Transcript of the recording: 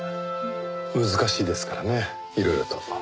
難しいですからねいろいろと。